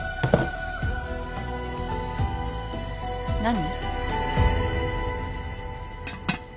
何？